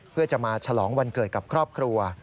เพื่อจะมาฉลองวันเกิดกับครอบครัว